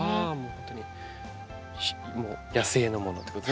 本当に野生のものってこと。